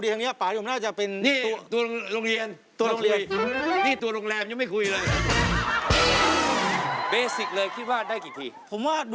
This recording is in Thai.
ส่งเพราะทั้งผม